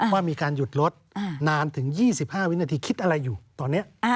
ว่ามีการหยุดรถนานถึง๒๕วินาทีคิดอะไรอยู่ตอนนี้